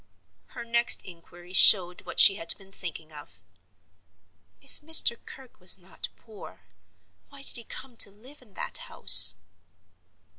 Her next inquiry showed what she had been thinking of. "If Mr. Kirke was not poor, why did he come to live in that house?"